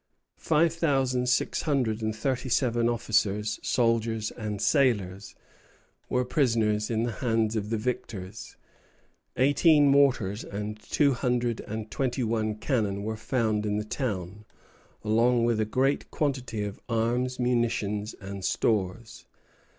Five thousand six hundred and thirty seven officers, soldiers, and sailors were prisoners in the hands of the victors. Eighteen mortars and two hundred and twenty one cannon were found in the town, along with a great quantity of arms, munitions, and stores.